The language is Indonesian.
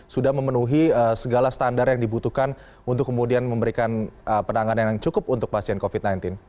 sudah memenuhi segala standar yang dibutuhkan untuk kemudian memberikan penanganan yang cukup untuk pasien covid sembilan belas